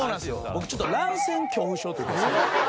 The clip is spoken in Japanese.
僕ちょっと乱戦恐怖症というか。